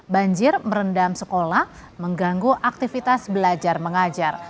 banjir merendam sekolah mengganggu aktivitas belajar mengajar